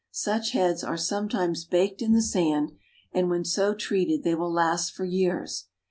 Such heads are some times baked in the sand, and when so treated they will last for years.